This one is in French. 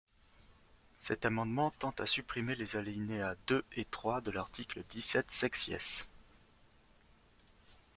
Cet amendement tend à supprimer les alinéas deux et trois de l’article dix-sept sexies.